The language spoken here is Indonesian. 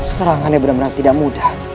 serangannya benar benar tidak mudah